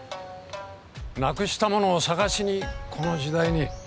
なくしたものを捜しにこの時代に。